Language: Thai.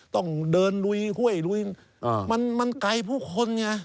ต้องเดินลุยห้วยลุยมันไกลผู้คนไง